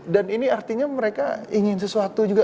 dan ini artinya mereka ingin sesuatu juga